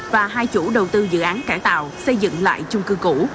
và hai chủ đầu tư dự án cải tạo xây dựng lại chung cư cũ